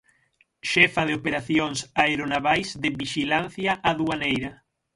Xefa de operacións aeronavais de Vixilancia Aduaneira.